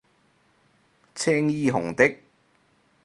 青衣紅的